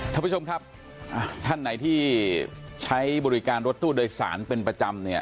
ท่านผู้ชมครับท่านไหนที่ใช้บริการรถตู้โดยสารเป็นประจำเนี่ย